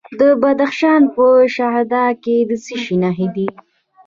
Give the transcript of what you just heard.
د بدخشان په شهدا کې د څه شي نښې دي؟